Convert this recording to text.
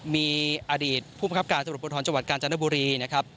มีอดีตผู้ประครับการสภจกาญจนบุรี